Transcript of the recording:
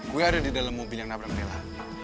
gue ada di dalam mobil yang nabrak merah